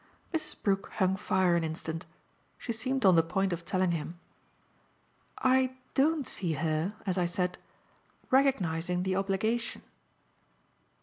Mrs. Brook hung fire an instant she seemed on the point of telling him. "I DON'T see her, as I said, recognising the obligation."